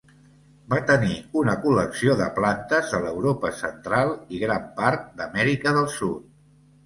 Va tenir una col·lecció de plantes de l'Europa central i gran part d'Amèrica del Sud.